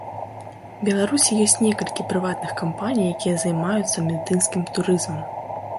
Беларусі ёсць некалькі прыватных кампаній, якія займаюцца медыцынскім турызмам.